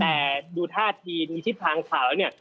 แต่ดูท่าทีที่ทางข่าวนี้